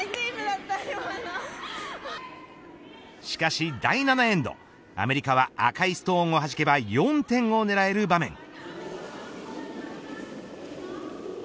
しかし、第７エンドアメリカは赤いストーンをはじけば４点を狙える場面。